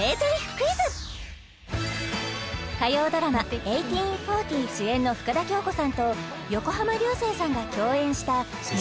火曜ドラマ「１８／４０」主演の深田恭子さんと横浜流星さんが共演した胸